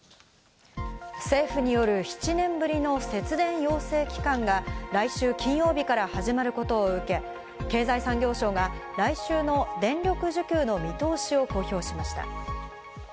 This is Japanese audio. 政府による７年ぶりの節電要請期間が来週金曜日から始まることを受け、経済産業省が来週の電力需給の見通しを公表しました。